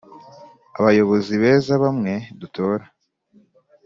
abayobozi beza bamwe dutora